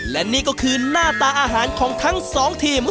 และนี่ก็คือหน้าตาอาหารของทั้งสองทีม